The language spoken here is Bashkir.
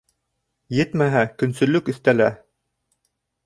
Етмәһә, көнсөллөк өҫтәлә...